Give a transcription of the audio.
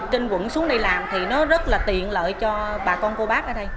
trên quận xuống đây làm thì nó rất là tiện lợi cho bà con cô bác ở đây